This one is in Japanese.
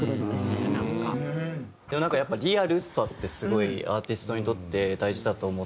でもなんかやっぱリアルさってすごいアーティストにとって大事だと思ってて。